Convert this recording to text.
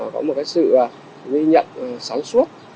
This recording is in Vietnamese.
có một cái sự ghi nhận sáng suốt